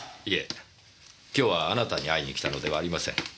いえ今日はあなたに会いに来たのではありません。